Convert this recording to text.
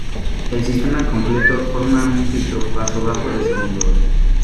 El sistema completo forma un filtro paso-bajo de segundo orden.